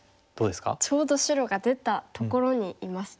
ちょうど白が出たところにいますね。